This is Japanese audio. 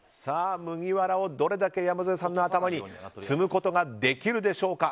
麦わらをどれだけ山添さんの頭に積むことができるでしょうか。